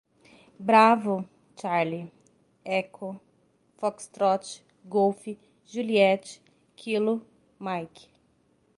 bravo, charlie, echo, foxtrot, golf, juliet, kilo, mike